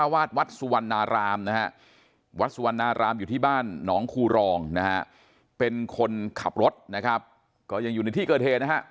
วัดสวรรณารามอยู่ที่บ้านน้องครูรองเป็นคนขับรถนะครับก็ยังอยู่ในที่เกิดเทนะครับ